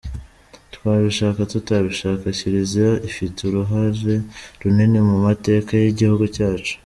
Twabishaka tutabishaka Kiliziya ifite uruhare runini mu mateka y’igihugu cyacu.